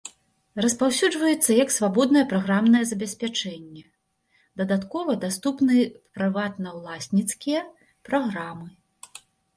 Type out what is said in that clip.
Распаўсюджваецца як свабоднае праграмнае забеспячэнне, дадаткова даступны прыватнаўласніцкія праграмы.